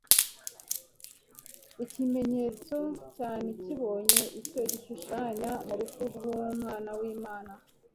Ikimenyetso cyan kibonye icyo gishushanya mu rupfu rw'Umwana w'Imana.